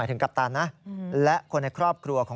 อาจจะด้วยอารมณ์โกรธแล้วก็